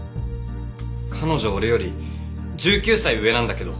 彼女俺より１９歳上なんだけど。